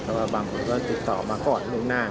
เพราะว่าบางคนก็ติดต่อมาก่อนลุงหน้า